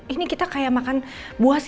ini kita kayak makan buah sih